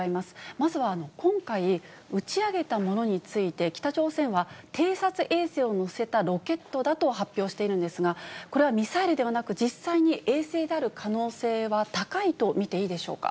まずは今回、打ち上げたものについて、北朝鮮は偵察衛星を載せたロケットだと発表しているんですが、これはミサイルではなく、実際に衛星である可能性は高いと見ていいでしょうか？